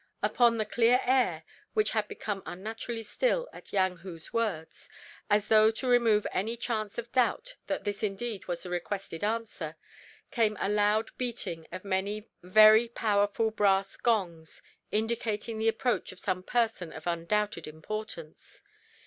Upon the clear air, which had become unnaturally still at Yang Hu's words, as though to remove any chance of doubt that this indeed was the requested answer, came the loud beating of many very powerful brass gongs, indicating the approach of some person of undoubted importance.